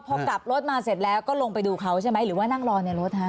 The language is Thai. พอกลับรถมาเสร็จแล้วก็ลงไปดูเขาใช่ไหมหรือว่านั่งรอในรถฮะ